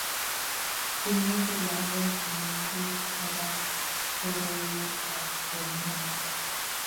kineti lagok che mengechen korat boroiwekab kweyonik